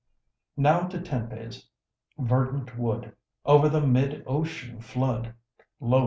Now to Tempe's verdant wood, Over the mid ocean flood Lo!